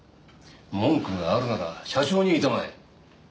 文句があるなら社長に言いたまえ。